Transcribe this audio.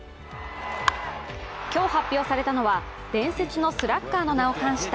今日発表されたのは、伝説のスラッガーの名を冠した